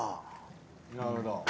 なるほど。